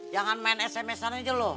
jangan main sms an aja loh